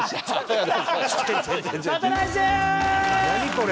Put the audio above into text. これ。